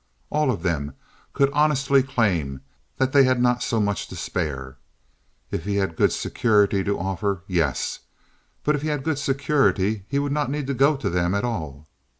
All of them could honestly claim that they had not so much to spare. If he had good security to offer—yes; but if he had good security he would not need to go to them at all.